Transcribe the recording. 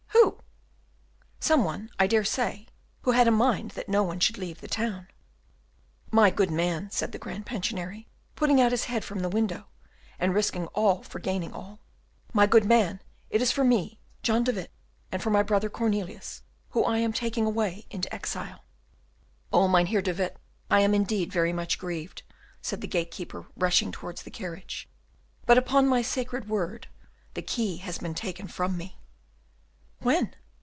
"Who?" "Some one, I dare say, who had a mind that no one should leave the town." "My good man," said the Grand Pensionary, putting out his head from the window, and risking all for gaining all; "my good man, it is for me, John de Witt, and for my brother Cornelius, who I am taking away into exile." "Oh, Mynheer de Witt! I am indeed very much grieved," said the gatekeeper, rushing towards the carriage; "but, upon my sacred word, the key has been taken from me." "When?"